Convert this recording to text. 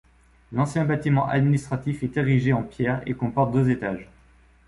L'ancien bâtiment administratif est érigé en pierres et comporte deux étages.